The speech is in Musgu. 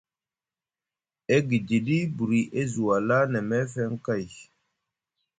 E gidiɗi buri e zi wala na meefeŋ kay,